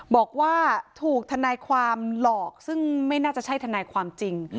บอกว่าถูกทนายความหลอกซึ่งไม่น่าจะใช่ทนายความจริง